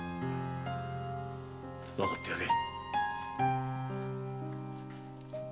わかってやれ。